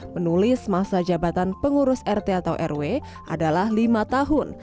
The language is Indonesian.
menulis masa jabatan pengurus rt atau rw adalah lima tahun